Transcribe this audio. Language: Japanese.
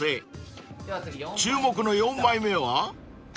［注目の４枚目は？］